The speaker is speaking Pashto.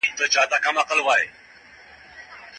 د دیني ازادۍ احترام د ټولني ثبات زیاتوي.